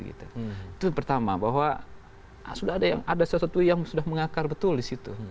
itu pertama bahwa sudah ada sesuatu yang sudah mengakar betul di situ